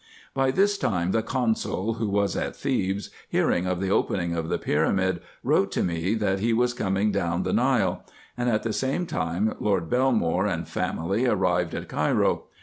By this time the consul, who was at Thebes, hearing of the opening of the pyramid, wrote to me, that he was coming down the Nile ; and at the same time Lord Belmore and family arrived at Cairo.